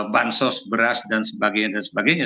bansos beras dan sebagainya